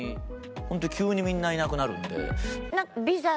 本当に急にみんないなくなるんで。